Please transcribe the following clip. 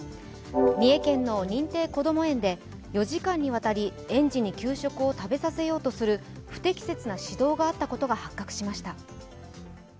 三重県の認定こども園で４時間にわたり園児に給食を食べさせようとする不適切な指導があったことが発覚しました。